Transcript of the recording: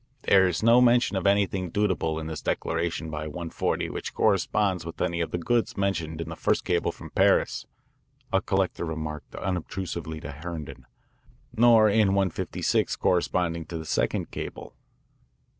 "There is no mention of anything dutiable in this declaration by 140 which corresponds with any of the goods mentioned in the first cable from Paris," a collector remarked unobtrusively to Herndon, "nor in 156 corresponding to the second cable."